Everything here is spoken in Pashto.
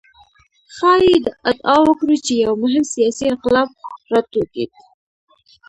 ښايي ادعا وکړو چې یو مهم سیاسي انقلاب راوټوکېد.